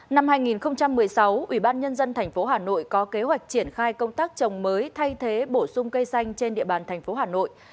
năm hai nghìn một mươi sáu ubnd tp hà nội có kế hoạch triển khai công tác trồng mới thay thế bổ sung cây xanh trên địa bàn thành phố hà nội